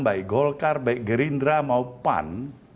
baik golkar baik gerindra mau pan